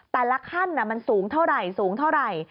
แต่ละขั้นมันสูงเท่าไหร่สูงเท่าไหร่